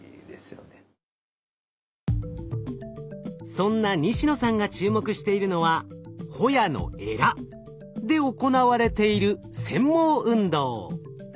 そんな西野さんが注目しているのはホヤのエラ。で行われている繊毛運動。